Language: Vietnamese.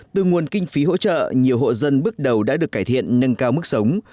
từ nguồn kinh phí hỗ trợ nhiều hộ dân bước đầu đã được cải thiện nâng cao mức sống